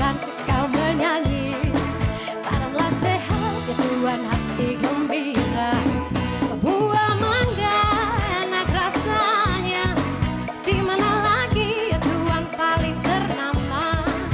hai si mana lagi tuhan paling ternama siapa saya yaitu anggap nathan kekerjaan